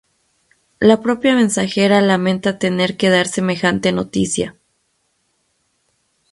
La propia Mensajera lamenta tener que dar semejante noticia.